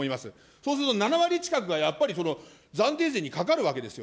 そうすると７割近くがやっぱり暫定税にかかるわけですよ。